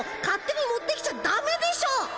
勝手に持ってきちゃだめでしょ。